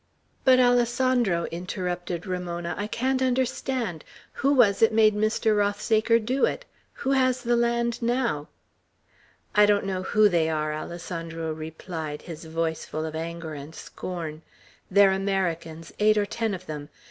"But, Alessandro," interrupted Ramona, "I can't understand. Who was it made Mr. Rothsaker do it? Who has the land now?" "I don't know who they are," Alessandro replied, his voice full of anger and scorn. "They're Americans eight or ten of them.